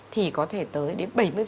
thì có thể tới đến bảy mươi